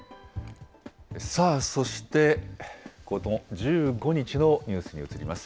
さあ、そして、この１５日のニュースに移ります。